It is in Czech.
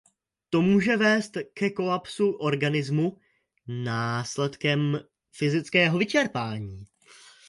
To může vést ke kolapsu organismu následkem fyzického vyčerpání.